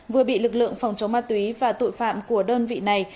vừa bị lực lượng phòng chống ma túy và tội phạm của đơn vị này